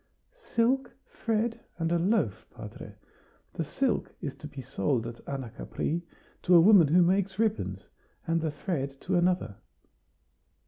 "Silk, thread, and a loaf, padre. The silk is to be sold at Anacapri, to a woman who makes ribbons, and the thread to another."